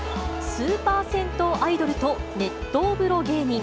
スーパー銭湯アイドルと、熱湯風呂芸人。